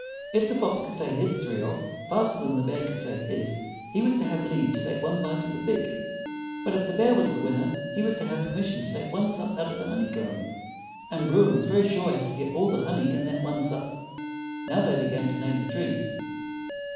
If the fox could say his three off faster than the bear could say his, he was to have leave to take one bite of the pig. But if the bear was the winner he was to have permis sion to take one sup out of the honeycomb; and Bruin was very sure he could get all the honey in that one sup. Now they began to name the trees.